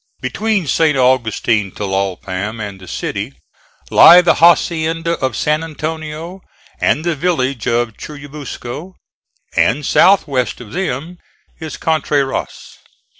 Between St. Augustin Tlalpam and the city lie the hacienda of San Antonio and the village of Churubusco, and south west of them is Contreras.